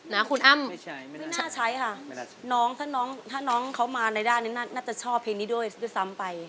นะคุณอ้ำไม่น่าใช้ค่ะน้องถ้าน้องถ้าน้องเขามาในด้านนี้น่าจะชอบเพลงนี้ด้วยซ้ำไป